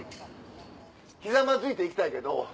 ひざまずいて行きたいけど。